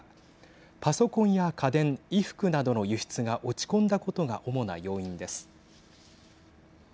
パソコンや家電、衣服などの輸出が落ち込んだことが主な要因です。